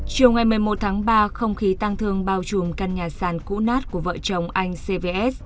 chiều ngày một mươi một tháng ba không khí tăng thương bao trùm căn nhà sàn cũ nát của vợ chồng anh cvs